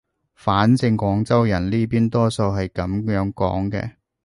反正廣州人呢邊多數係噉樣講嘅